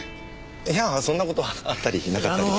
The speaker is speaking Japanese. いやぁそんな事はあったりなかったりで。